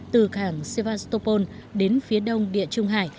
từ khảng sevastopol đến phía đông điênh